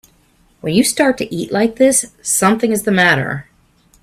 When you start to eat like this something is the matter.